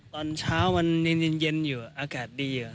ตอนเช้ามันเย็นเย็นอยู่อากาศดีอยู่